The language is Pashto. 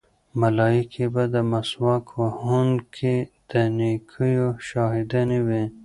ملایکې به د مسواک وهونکي د نیکیو شاهدانې وي.